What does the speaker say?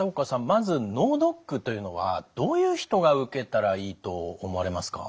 まず脳ドックというのはどういう人が受けたらいいと思われますか？